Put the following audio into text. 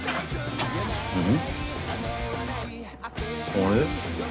あれ？